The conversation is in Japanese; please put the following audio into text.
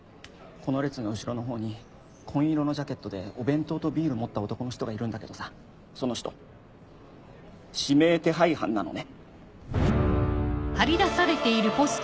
この列の後ろの方に紺色のジャケットでお弁当とビール持った男の人がいるんだけどさその人指名手配犯なのね。